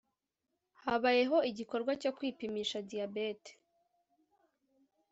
Habayeho igikorwa cyo kwipimisha diyabete